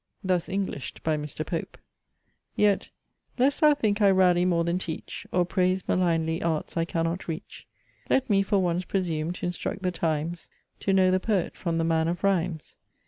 Thus Englished by Mr. Pope: Yet, lest thou think I rally more than teach, Or praise malignly arts I cannot reach; Let me, for once, presume t'instruct the times To know the poet from the man of rhymes.